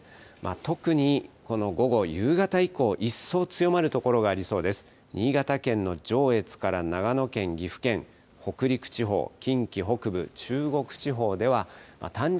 特にこの午後、夕方以降、一層強まる所がありそうです。